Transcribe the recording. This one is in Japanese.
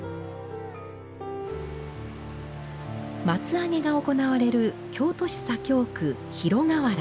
松上げが行われる京都市左京区広河原。